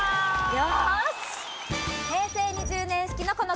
よし！